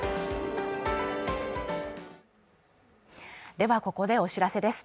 ではここでお知らせです。